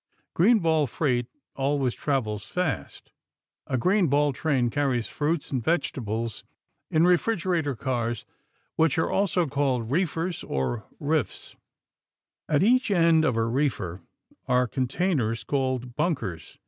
Greenball freight always travels fast. A greenball train carries fruits and vegetables in refrigerator cars, which are also called reefers or riffs. At each end of a reefer are containers called bunkers.